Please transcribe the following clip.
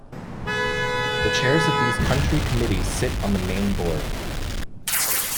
The chairs of these country committees sit on the main Board.